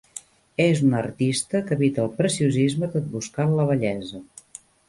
És una artista que evita el preciosisme tot buscant la bellesa.